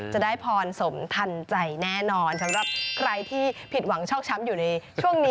จะได้พรสมทันใจแน่นอนสำหรับใครที่ผิดหวังชอกช้ำอยู่ในช่วงนี้